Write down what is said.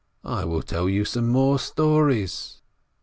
"I will tell you some more stories."